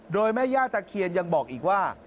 โดยแม่ย่าตะเคียนยังบอกอีกว่า